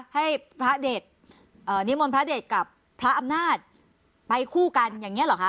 ให้พระเด็ดนิมนต์พระเด็ดกับพระอำนาจไปคู่กันอย่างนี้เหรอคะ